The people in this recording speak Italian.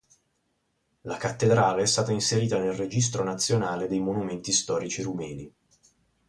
La cattedrale è stata inserita nel registro nazionale dei monumenti storici rumeni.